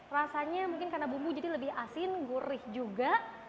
rasanya mungkin karena bumbu jadi lebih asin gurih juga